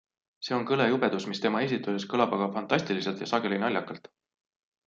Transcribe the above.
See on kõle jubedus, mis tema esituses kõlab aga fantastiliselt ja sageli naljakalt.